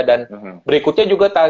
dan berikutnya juga